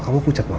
kamu enggak sih